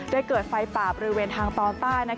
เกิดไฟป่าบริเวณทางตอนใต้